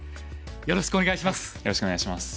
よろしくお願いします。